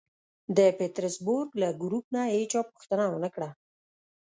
د پېټرزبورګ له ګروپ نه هېچا پوښتنه و نه کړه